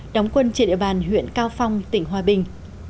đóng quân trên địa bàn huyện cao phong tỉnh hòa bình